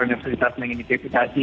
dari universitas menginitifikasi